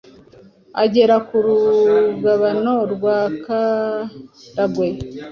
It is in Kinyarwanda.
agera ku rugabano rwa Karagwe.